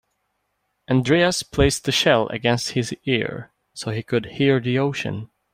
Andreas placed the shell against his ear so he could hear the ocean.